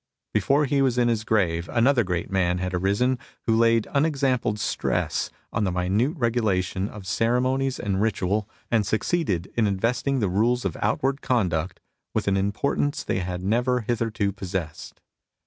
Before he was in his grave another great man had arisen who laid unex ampled stress on the minute regulation of cere 12 MUSINGS OF A CHINESE MYSTIC monies and ritual, and succeeded in investing the Tules of outward conduct with an importance they had never hitherto possessed.